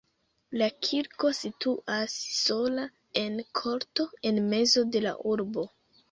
La kirko situas sola en korto en mezo de la urbo.